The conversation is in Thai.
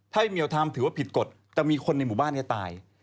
ถ้าเหมียวทำถือว่าผิดกฎจะมีคนในหมู่บ้านนี้ตาย